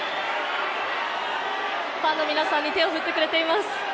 ファンの皆さんに手を振ってくれています。